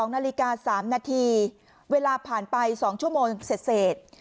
๒นาฬิกา๓นาทีเวลาผ่านไป๒ชั่วโมงเสร็จ